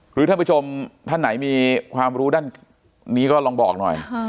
คือท่านผู้ชมท่านไหนมีความรู้ด้านนี้ก็ลองบอกหน่อย